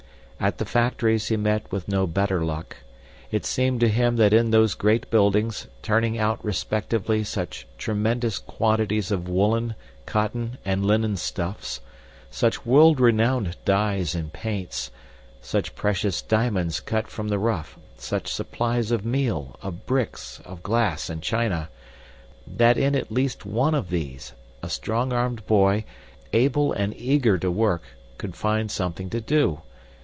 At the factories he met with no better luck. It seemed to him that in those great buildings, turning out respectively such tremendous quantities of woolen, cotton, and linen stuffs, such world renowned dyes and paints, such precious diamonds cut from the rough, such supplies of meal, of bricks, of glass and china that in at least one of these, a strong armed boy, able and eager to work, could find something to do.